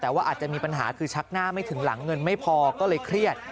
แต่ว่าอาจจะมีปัญหาคือชักหน้าไม่ถึงหลังเงินไม่พอก็เลยเครียด